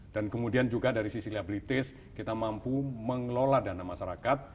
dan kemudian kalau bank bank yang memiliki kondisi liabilities kita mampu mengelola dana masyarakat